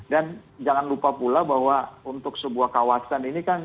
dan jangan lupa pula bahwa untuk sebuah kawasan ini kan